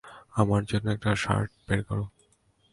আমার জন্য একটা শার্ট বের করো।